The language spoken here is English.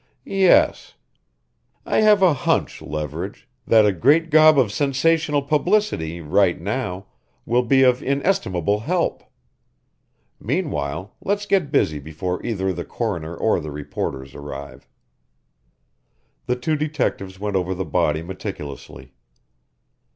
"Yes. I have a hunch, Leverage, that a great gob of sensational publicity, right now, will be of inestimable help. Meanwhile let's get busy before either the coroner or the reporters arrive." The two detectives went over the body meticulously.